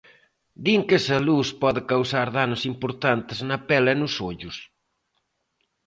Din que esa luz pode causar danos importantes na pel e nos ollos.